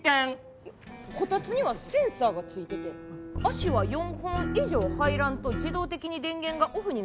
こたつにはセンサーが付いてて足は４本以上入らんと自動的に電源がオフになりますから。